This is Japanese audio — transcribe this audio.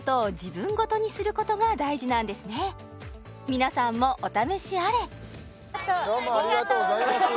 皆さんもお試しあれ！